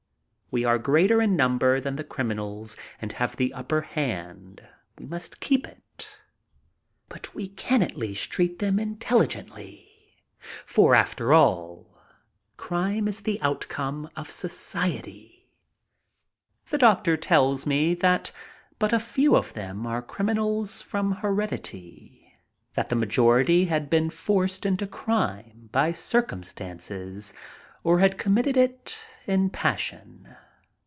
We are greater in number than the criminals and have the upper hand. We must keep it. But we can at least treat them intelligently, for, after all, crime is the outcome of society. The doctor tells me that but a few of them are criminals from heredity, that the majority had been forced into crime by circumstances or had committed it in passion.